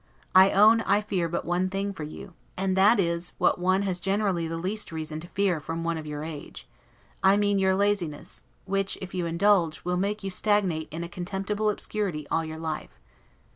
I own I fear but one thing for you, and that is what one has generally the least reason to fear from one of your age; I mean your laziness; which, if you indulge, will make you stagnate in a contemptible obscurity all your life.